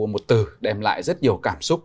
một từ đem lại rất nhiều cảm xúc